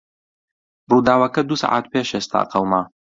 ڕووداوەکە دوو سەعات پێش ئێستا قەوما.